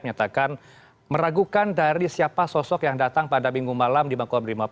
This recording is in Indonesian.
menyatakan meragukan dari siapa sosok yang datang pada minggu malam di makobrimob